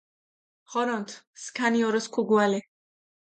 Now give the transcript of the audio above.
ღორონთ, სქანი ოროს ქუგუალე!